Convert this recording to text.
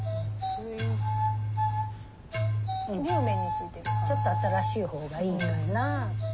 にゅうめんについてるちょっと新しい方がいいかな。